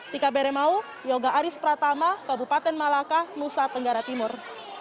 tika beremau yoga aris pratama kabupaten malaka nusa tenggara timur